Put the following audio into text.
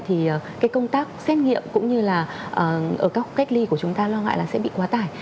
thì cái công tác xét nghiệm cũng như là ở các cách ly của chúng ta lo ngại là sẽ bị quá tải